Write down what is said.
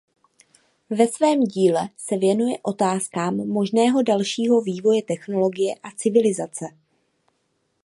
Ve svém díle se věnuje otázkám možného dalšího vývoje technologie a civilizace.